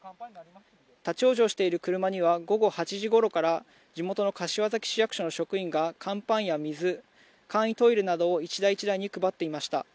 立往生している車には午後８時ごろから、地元の柏崎市役所の職員が乾パンや水、簡易トイレなどを一台一台に配っていました。